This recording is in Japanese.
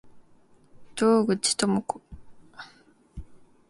洞口朋子